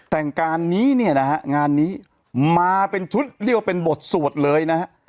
แต่งการนี้เนี่ยนะฮะงานนี้มาเป็นชุดเรียกว่าเป็นบทสวดเลยนะฮะ